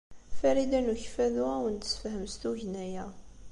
Farida n Ukeffadu ad awen-d-tessefhem s tugna-a.